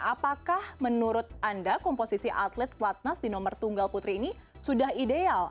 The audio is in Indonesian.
apakah menurut anda komposisi atlet pelatnas di nomor tunggal putri ini sudah ideal